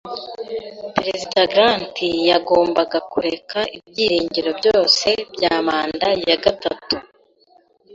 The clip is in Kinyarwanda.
Perezida Grant yagombaga kureka ibyiringiro byose bya manda ya gatatu.